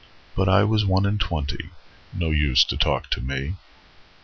'But I was one and twenty, No use to talk to me.